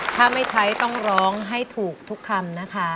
ถ้าไม่ใช้ต้องร้องให้ถูกทุกคำนะคะ